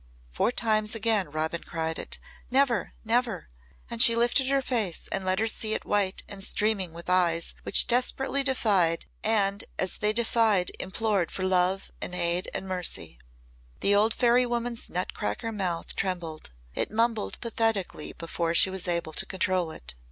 four times again Robin cried it. "Never! Never!" And she lifted her face and let her see it white and streaming and with eyes which desperately defied and as they defied implored for love and aid and mercy. The old fairy woman's nutcracker mouth trembled. It mumbled pathetically before she was able to control it.